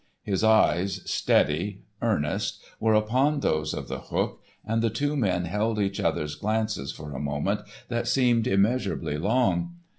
His eyes, steady, earnest, were upon those of The Hook, and the two men held each other's glances for a moment that seemed immeasurably long.